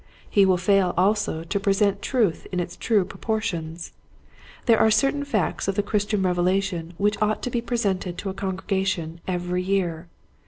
He will fail also to present truth in its true proportions. There are certain facts of the Christian revelation which ought to be presented to 98 Quiet Hmts to Growing Preachers. a congregation every year.